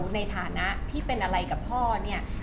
ในฐานะที่เป็นอะไรกับพ่อเนี่ย